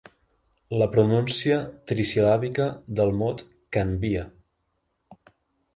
La pronúncia trisil·làbica del mot "canvia".